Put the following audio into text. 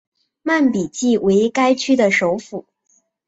曼比季为该区的首府。